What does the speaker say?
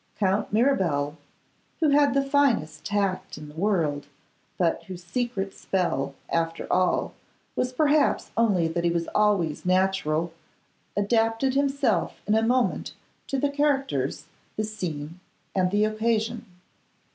Count Mirabel, who had the finest tact in the world, but whose secret spell, after all, was perhaps only that he was always natural, adapted himself in a moment to the characters, the scene, and the occasion.